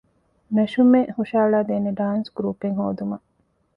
ނެށުމެއް ހުށަހަޅައިދޭނެ ޑާންސް ގްރޫޕެއް ހޯދުމަށް